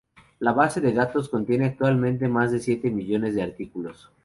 La base de datos contiene actualmente más de siete millones de artículos.